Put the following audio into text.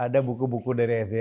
ada buku buku dari sd